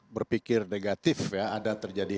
berpikir negatif ya ada terjadi